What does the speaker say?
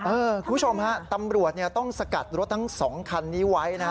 คุณผู้ชมฮะตำรวจต้องสกัดรถทั้ง๒คันนี้ไว้นะฮะ